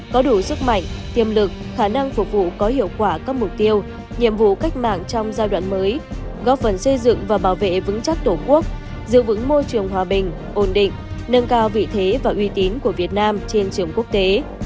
có đủ sức mạnh tiềm lực khả năng phục vụ có hiệu quả các mục tiêu nhiệm vụ cách mạng trong giai đoạn mới góp phần xây dựng và bảo vệ vững chắc tổ quốc giữ vững môi trường hòa bình ổn định nâng cao vị thế và uy tín của việt nam trên trường quốc tế